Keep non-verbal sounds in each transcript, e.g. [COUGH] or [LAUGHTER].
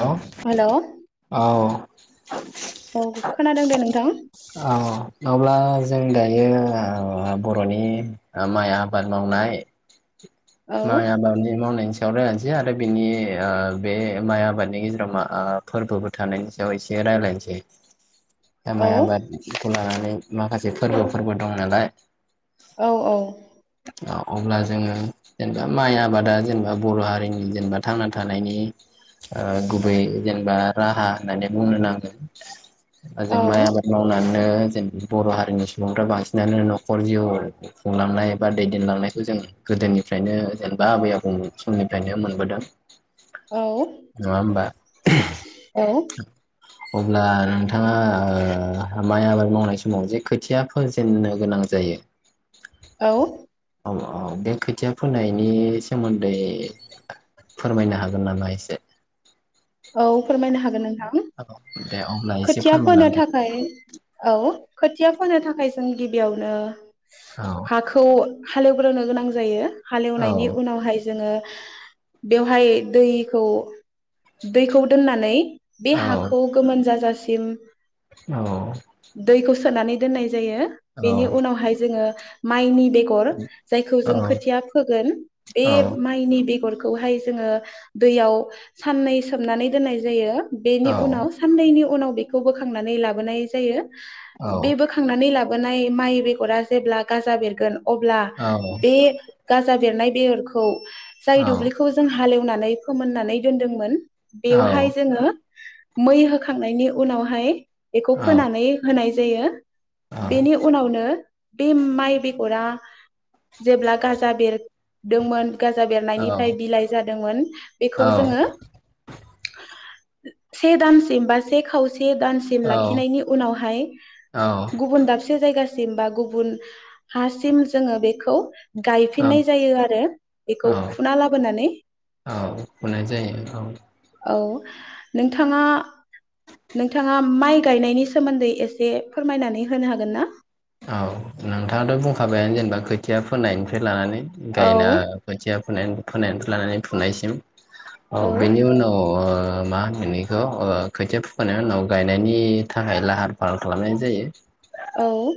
हेल hello औ [INAUDIBLE] औ औ खोनादों दे नोंथां औ [UNINTELLIGIBLE] जों दायो ओ बर'नि माइ आबाद मावनाय मय आबादनि मावनायनि सा [UNINTELLIGIBLE] आरो बिनि ओ बे माइ आबाद नि गेजेराव मा ओ फोरबो थानायनि सायाव एसे रायलायनोसै ओ औ माइ आबाद खौ लानानै माखासे फोरबोफोरबो दं नालाय औ औ अब्ला जोङो जेनेबा माइ आबादा जेनेबा बर' हारिनि जेनेबा थांना थानायनि ओ गुबै जेनेबा राहा होननानै बुंनो नांगोन। औ जों माइ आबाद मावनानै जेने बर' हारिनि सुबुंफ्रा बांसिनानो न'खर जिउ खुंलांनाय बा दैदेनलांनायखौ जों गोदोनिफ्रायनो जेनेबा आबै आबौ समनिफ्रायनो मोनबोदों। औ नङा होमबा औ अब्ला नोंथाङा ओ माइ आबाद मावनाय समाव जे खोथिया फोजेननो गोनां जायो। औ औ औ बे खोथिया फोनायनि सोमोन्दै फोरमायनो हागोन नामा? एसे औ फोरमायनो हागोन नों थां औ दे अब्ला एसे खोथिया फोनो फोरमायलांदो थाखाय औ खोथिया फोनो थाखाय [UNINTELLIGIBLE] जों गिबियावनो औ हाखौ हालेव गोरनो गोनां जायो। औ हालेवनायनि उनावहाय जोङो। बेवहाय दैखौ दैखौ दोननानै बे औ हाखौ गोमोन जाजासे सिम औ सोनानै दोननाय जायो औ बेनि उनावहाय जोङो माइनि बेगर जायखौ जों खोथिया फोगोन बे औ माइनि बेगर खौहाय जोङो दैयाव साननै सोमनानै दोननाय जायो। बेनि उनाव साननैनि उनाव बेखौ बोखांनानै लाबोनाय जायो औ बे बोखांनानै ला बोनाय माइ बेगरा जेब्ला गाजा बेरगोन अब्ला औ बे गाजा बेरनाय बेगरखौ जाय औ दुब्लिखौ जों हालेव नानै फोमोननानै दोनदोंमोन औ बेवहाय जोङो मै होखांनायनि उनावहाय बेखौ फोनानै होनाय जायो बेनि उनावनो बे माइ बेगरा जेब्ला गाजा बेरदोंमोन गाजा औ बेरनायनिफ्राय बिलाइ जादोंमोन औ बेखौ जोङो से दानसिम बा से खाव से दानसिम लाखिनायनि उनावहाय गुबुन दाब से जायगासिम बा गुबुन हासिम जोङो बेखौ गायफिननाय जायो आरो बेखौ फुना लाबोनानै फुनाय जायो औ औ नोंथाङा नोंथाङा माइ गायनायनि सोमोन्दै एसे फोरमायनानै होनो हागोन ना औ नोंथाङाथ' बुंखाबायानो जेनेबा खोथिया फोनायनायनिफ्राय लानानै औ गायना खोथिया फोनाय फोनायनिफ्राय लानानै फोनायसिम औ बेनि उनाव ओ ओ मा होनो बेखौ ओ खोथिया फुखांनायनि उनाव गायनायनि थाखाय लाहार फाहार खालामनाय जायो औ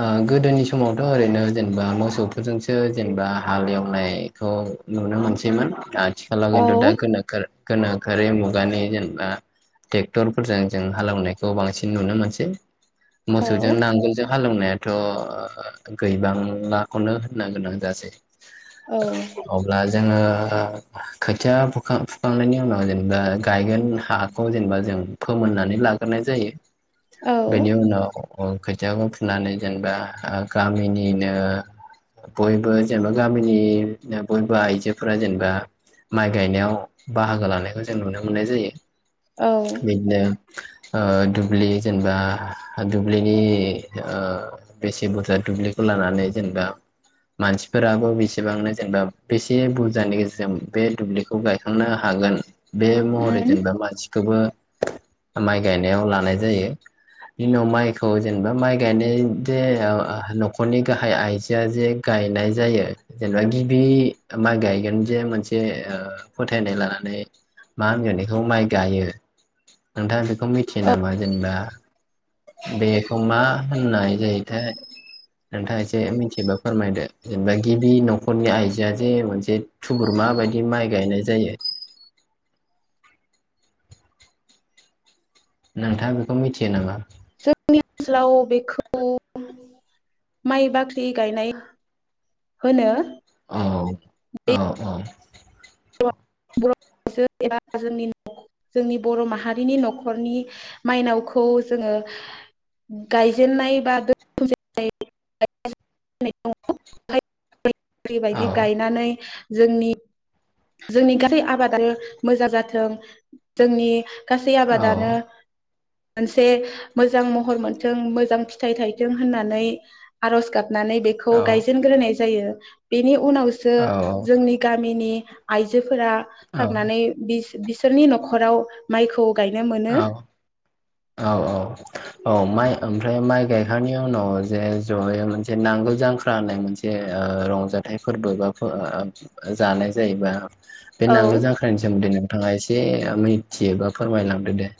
ओ गोदोनि समावथ' ओरैनो जेनेबा मोसौफोरजोंसो जेनेबा हाल एवनायखौ नुनो मोनसैमोन आथिखालाव औ खिन्थु [UNINTELLIGIBLE] गोनोखोआरि मुगानि जेनेबा ट्रेक्टरफोरजों जों हालेवनायखौ बांसिन नुनो मोनसै औ मोसौजों नांगोल हालेवनायाथ' गैबांलाखौनो होननो गोनां जासै औ अब्ला जोङो खोथिया फुखां फुखांनायनि उनाव जेनेबा गायगोन हाखौ जेनेबा जों फोमोननानै लाग्रोनाय जायो औ बेनि उनाव अ खो खोथियाखौ फुनानै जेनेबा गामिनिनो बयबो जेनेबा गामिनि बयबो आइजोफोरा जेनेबा माइ गायनायाव बाहागो लानायखौ जों नुनो मोननाय जायो। औ उम बिदिनो ओ दुब्लि जेनेबा दुब्लिनि ओ बेसे बुरजा दुब्लिखौ लानानै जेनेबा मानसिफोराबो बेसेबांनो जेनेबा बेसे बुरजानि गेजेरजों बे दुब्लिखौ गायखांनो हागोन बे महरै जेनेबा मानसि खौबो माइ गायनायाव लानाय जायो। बिनि उनाव माइखौ जेनेबा माइ गायनाय जे नखरनि गाहाय आइजोआ जे गायनाय जायो जेनेबा गिबि माइ गायगोन जे मोनसे फोथायनाय लानानै मा होनगोन बेखौ माइ गायो नोंथाङा बे बेखौ मिथियो औ नामा जेनेबा बे मा होननाय जायोथाय नोंथाङा एसे मिथियोबा फोरमायदो जेनेबा गिबि नखरनि आइजोआ जे मोनसे थुगुरमा बायदि माइ गायनाय जायो। नोंथाङा बेखौ मिथियो नामा? जोंनि ओनसोलाव बेखौ माइ बाख्रि गायनाय होनो। औ बे औ औ [UNINTELLIGIBLE] जोंनि जोंनि बर' माहारिनि न'खरनि माइनावखौ जोङो गायजेननाय बा [UNINTELLIGIBLE] बायदि बायदि गायनानै जोंनि जोंनि गासै आबादानो मोजां जाथों जोंनि गासै औ आबादानो मोनसे मोजां महर मोनथों मोजां फिथाइ थायथों होननानै आरज गाब नानै बेखौ गायजेनग्रोनाय जायो। बेनि उनावसो औ जोंनि गामिनि आइजो फोरा थांनानै बिस बिसोरनि नखराव माइखौ गायनो औ मोनो औ औ औ माइ ओमफ्राय माइ गायखांनायनि उनाव जे जयै मोनसे नांगोल जांख्रा होननाय मोनसे ओ रंजाथाइ फोरबो बा जानाय जायोबा बे औ नांगोल जांख्रनायनि सोमोन्दै नोंथाङा एसे मिथियो बा फोरमायलां दो दे।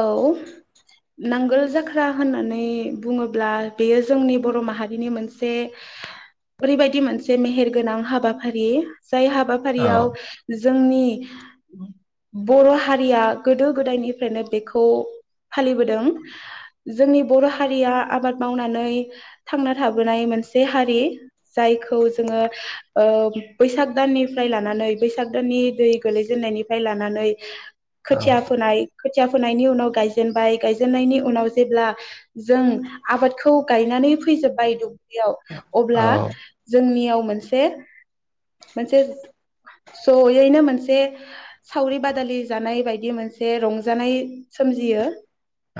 औ नांगोल जाख्रा होननानै बुङोब्ला बेयो जोंनि बर' माहारिनि मोनसे ओरैबायदि मोनसे मेहेरगोनां हाबाफारि जाय औ हाबाफारियाव जोंनि बर' हारिया गोदो गोदायनिफ्रायनो बेखौ फालिबोदों जोंनि बर' हारिया आबाद मावनानै थांना थाबोनाय मोनसे हारि जायखौ जोङो ओ बैसाग दाननिफ्राय लानानै बैसाग दाननि दै गोलैजेननायनिफ्राय लानानै खोथिया फोनाय खोथिया फोनायनि उनाव गायजेनबाय गायजेननायनि उनाव जेब्ला जों आबादखौ गायनानै फैजोब्बाय दुब्लियाव औ अब्ला जोंनियाव मोनसे मोनसे जयैनो मोनसे सावरि बादालि जानाय बायदि दि मोनसे रं रंजानाय सोमजियो औ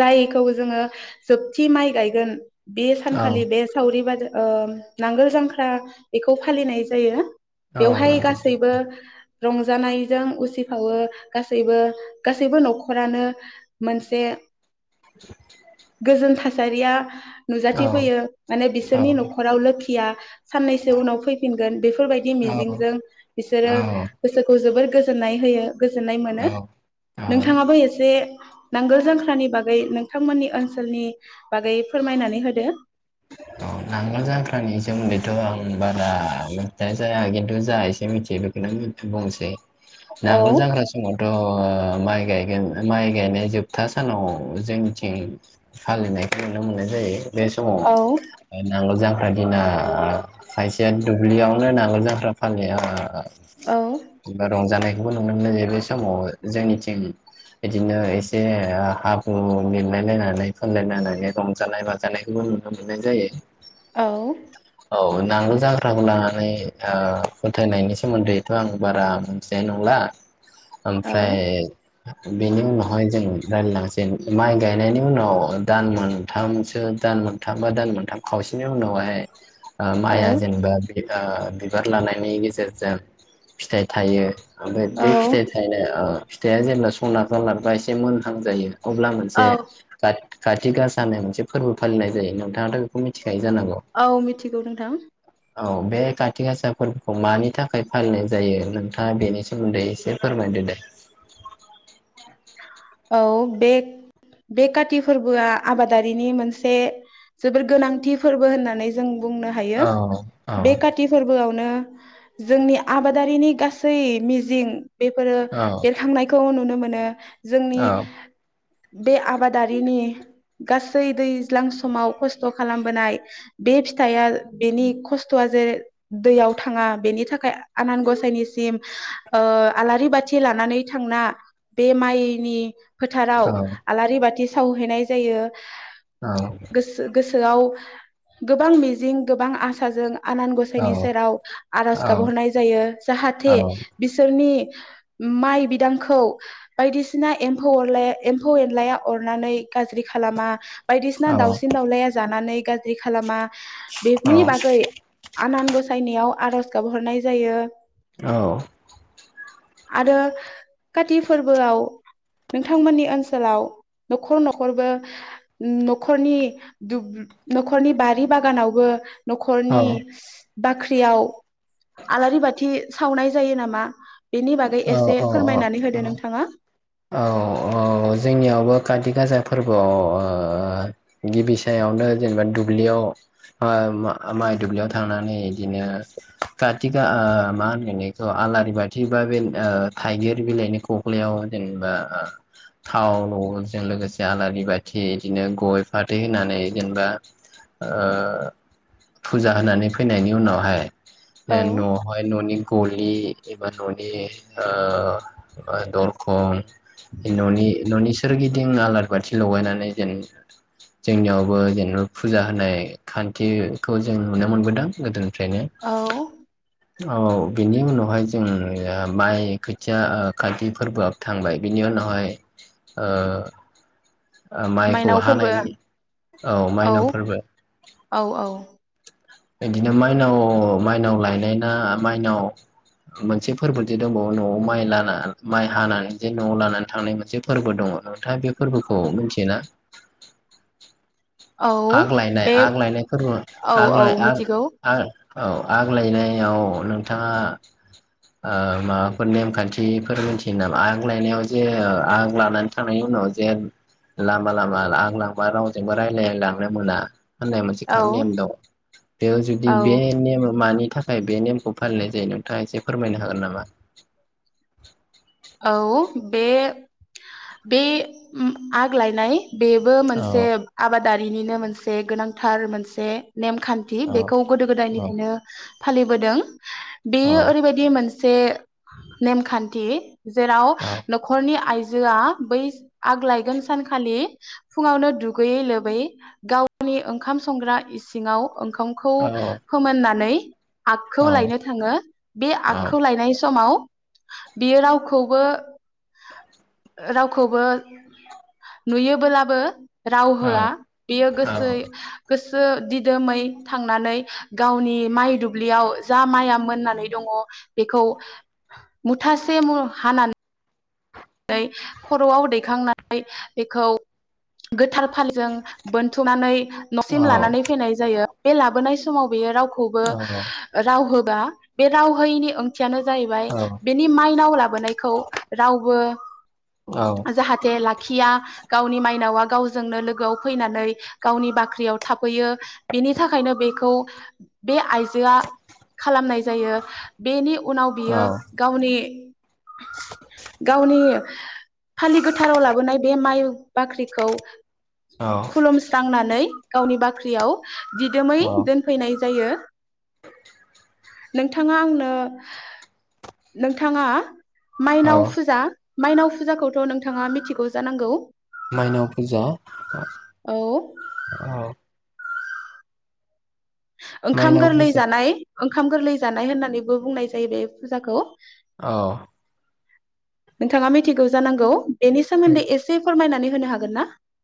जायखौ जोङो जोबथि माइ गायगोन बे औ सानखालि बे सावरि बादा ओ नांगोल जांख्रा बेखौ फालिनाय जायो औ बेवहाय नंगौ गासैबो रंजानायजों उसिफावो गासैबो गासैबो न'खरानो मोनसे गोजोन था सारिया औ नुजाथिफैयो माने औ बिसोरनि न'खराव लोखिया साननैसो उनाव फैफिनगोन बेफोरबायदि मिजिंजों औ बिसोरो औ गोसोखौ जोबोर गोजोननाय होयो गोजोननाय मोनो औ औ नोंथाङाबो एसे नांगोल जांख्रानि बागै नोंथांमोननि ओनसोलनि बागै फोरमायनानै होदो औ नांगोल जांख्रानि सोमोन्दैथ' आं बारा मिथिनाय खिन्थु जा एसे मिथियो बेखौनो बुंनोसै औ नांगोल जांख्रा समावथ' ओ माइ गायगोन माइ गायनाय जोबथा सानाव जोंथिं फालिनायखौ नुनो मोननाय जायो बे समाव औ नांगोल जांख्रा दिना खायसेया दुब्लियावनो नांगोल जांख्रा फालियो औ रंजानाय नुनो मोनो जे बे समाव जोंनिथिं बिदिनो एसे हाब्रु लिरलायलायनानै फोनलायलायनानै रंजानाय बाजानायखौबो नु मोननाय जायो औ औ नांगोल जांख्राखौ लानानै ओ फोथायनायनि सोमोन्दैथ' आं बारा मिथिनाय नंला औ ओमफ्राय बेनि उनावहाय जोङो रायलायलांसै माइ गायनायनि उनाव दान मोनथामसो दान मोन मोनथाम बा दान मोनथाम खावसेनि उनावहाय ओ माइआ जेनेबा बे ओ बिबार लानायनि गेजेरजों फिथाइ थायो ओमफ्राय बे फिथाइ थायनाय ओ फिथाइआ जेब्ला सना [UNINTELLIGIBLE] एसे मोनहां जायो अब्ला औ मोनसे [UNINTELLIGIBLE] खाथि गासा होननाय मोनसे फोरबो फालिनाय जायो नोंथांङाथ' औ मिथिगौ नोंथां औ बे काति गासा फोरबोखौ मानि थाखाय फालिनाय जायो नोंथाङा बेनि सोमोन्दै एसे फोरमायदो दे औ बे बे काति फोरबोआ आबादारिनि मोनसे जोबोर गोनांथि फोरबो होननानै जों बुंनो हायो औ बे औ काति फोरबोआवनो जोंनि आबादारिनि गासै मिजिं बेफोरो एरखांनायखौ नुनो नो जोंनि बे आबादारिनि गासै दैज्लां समाव खस्थ' खालामबोनाय बे फिथाइया बेनि खस्थ'आ जे दैयाव थाङा बेनि थाखाय आनान गसाइनिसिम ओ आलारि बाथि लानानै थांना बे माइनि फोथाराव आलारि बाथि सावहैनाय जायो औ सोआव गोबां मिजिं गोबां आसाजों आनान गसाइनि सेराव आरज गाबहरनाय जायो जाहाथे बिसोरनि माइ बिदांखौ बायदिसिना एम्फौ अरलाया एम्फौ एनलाया अरनानै गाज्रि खालामा बायदिसिना दावसिन दाउलाया जानानै गाज्रि खालामा बेनि बागै आनान ग सायनियाव आर'ज गाबहरनाय जायो औ आरो खाथि फोरबोआव नोंथांमोननि ओनसोलाव न'खर न'खरबो न'खरनि न'खरनि बारि बागानावबो न'खरनि बाख्रियाव आलारि बाथि सावनाय जायो नामा? बेनि बागै एसे फोरमायनानै होदो नोंथां औ औ जोंनियावबो खाथि गाज फोरबोआव ओ गिबि सायावनो जेनेबा दुब्लियाव ओ माइ दुब्लियाव थांनानै इदिनो काथि मा होनोन बेखौ आलारि बाथि बथि बा बे ओ थाइगिर बिलाइनि खख्लायाव जेनेबा ओ थाव ल'जों लोगोसे आलारि बाथि बिदिनो गय फाथै होनानै जेनेबा ओ फुजा होनानै फैनायनि उनावहाय औ ओ न'आवहाय न'नि गलि बा न'नि ओ ओ दरखं न'नि न'नि सोरगिदिं आलारि बाथि लगायनानै जेन जोंनियावबो जेनेबा फुजा होनाय खान्थिखौ जों नुनो मोनबोदों गोदोनि फ्रायनो औ बिनि उनावहाय जों ओ माइ खोथिया ओ खाथि फोरबोआव थांबाय बिनि उनावहाय ओ ओ माइखौ माइनाव फोरबो हानायनि औ माइनाव फोरबो औ औ इदिनो माइनाव मायनाव लायनाय ना मायनाव मोनसे फोरबो जे दंबावो न'आव माइ लाना माइ हानानै जे न'आव लानानै थांनाय मोनसे फोरबो दङ नोंथाङ बे फोरबोखौ मिथियोना औ आग लायनाय बे आग लायनायखौ औ आग औ आ मिथिगौ आ औ आग लायनायाव नोंथाङा ओ माबाफोर नेमखान्थिफोर मोनथियो नामा आग लायनायाव जे आग लानानै थांनायनि उनाव जे लामा लामा आग लांबा रावजोंबो रायलायलायलां नो मोना होननाय मोनसे औ नेम दं बेयाव जुदि औ बे नेम मानि नि थाखाय बे नेमखौ फालिनाय जायो नोंथाङा एसे फोरमायनो हागोन नामा औ बे बे ओम आगलानाय बेबो औ मोनसे आबाद दारिनिनो मोनसे गोनांथार मोनसे नेमखान्थि औ बेखौ गोदो औ गोदायनिफ्रायनो फालिबोदों औ बेयो ओरैबायदि मोनसे जे नेमखान्थि जेराव माइनाव न'खरनि आइजो जोआ बै आग्लायगोन सानखालि फुङावनो दुगैयै लोबै गावनि ओंखाम संग्रा इसिङाव ओंखामखौ फोमोननानै आगखौ लायनो थाङो बे आगखौ लायनाय समाव बियो राव खौबो रावखौबो नुयोबोलाबो राव होआ बियो गोसो गोसो दिदोमै थांनानै गावनि माइ दुब्लियाव जा माइया मोननानै दङ बेखौ मुथासे हा नानै खर'आव दैखांनानै बेखौ गोथाल फालजों बोनथुमनानै न'सिम लानानै फैनाय जायो बे लाबोनाय समाव बेयो राव खौबो राव हो आ बे रावहोयिनि ओं थियानो जाहैबाय बेनि माइनाव लाबोनायखौ रावबो जाहाथे लाखिया गावनि माइनावा गावजोंनो लोगोआव फैनानै गावनि बाख्रियाव थाफैयो बेनि थाखायनो बेखौ बे आइजोआ खालामनाय जायो बेनि उनाव बियो गावनि गावनि फालि गोथाराव लाबोनाय बे माइ बाख्रिखौ खुलुमस्रांनानै गावनि बाख्रियाव दिदोमै दोनफैनाय जायो नोंथाङा आंनो नोंथाङा माइनाव फुजा माइनाव फुजाखौथ' नोंथाङा मिथिगौ जानांगौ माइनाव फुजा औ औ ओंखाम माइनाव गोरलै फुजा जानाय ओंखाम गोरलै जानाय होननानैबो बुंनाय जायो बे फुजाखौ औ नोंथाङा मिथिगौ जानांगौ बेनि सोमोन्दै एसे फोरमायनानै होनो हागोन ना